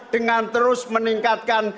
dengan terus meningkatkan